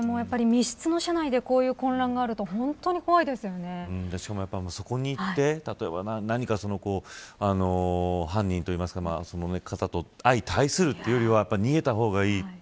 密室の車内でこういう混乱があるとしかも、そこに行って例えば犯人というかその方と相対するというよりは逃げた方がいい。